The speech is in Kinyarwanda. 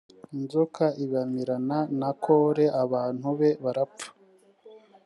inzoka ibamirana na kore, abantu be barapfa.